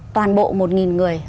toàn bộ một nghìn người